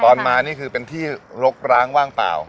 ตอนมานี่คือเป็นที่รกร้างว่างเปล่า